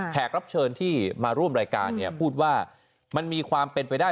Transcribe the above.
รับเชิญที่มาร่วมรายการเนี่ยพูดว่ามันมีความเป็นไปได้